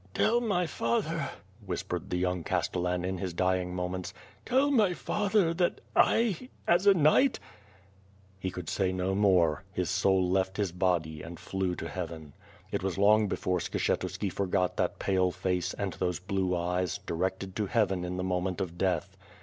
"Tell my father," whis})ered the young Ciistollan in his dying moments, "Tell my father that I ... as a knight .." lie could say no more, his soul left his body and flew to Heaven. It was long before Skshetuski forgot that j)ale face and those blue eyes, directed to Heaven in the moment of death.